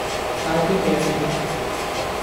快啲俾錢